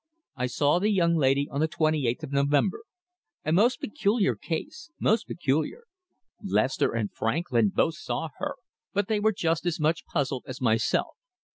"I saw the young lady on the twenty eighth of November. A most peculiar case most peculiar! Leicester and Franklyn both saw her, but they were just as much puzzled as myself."